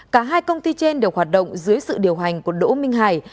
cả hai công ty trên đều hoạt động dưới sự điều hành của đỗ minh hải